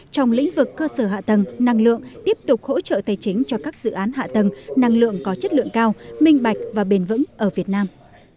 trong lĩnh vực cơ sở hạ tầng năng lượng tiếp tục hỗ trợ tài chính cho các dự án hạ tầng năng lượng có chất lượng cao minh bạch và bền vững ở việt nam